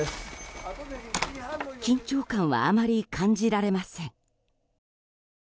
緊張感はあまり感じられません。